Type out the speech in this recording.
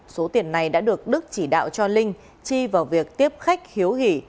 số tiền này đã được đức chỉ đạo cho linh chi vào việc tiếp khách hiếu hỉ